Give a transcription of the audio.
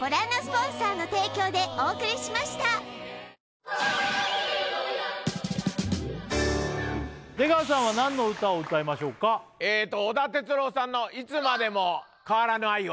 Ｎｏ．１出川さんは何の歌を歌いましょうかえーと織田哲郎さんの「いつまでも変わらぬ愛を」